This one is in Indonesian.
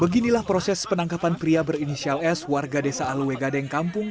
beginilah proses penangkapan pria berinisial s warga desa alue gadeng kampung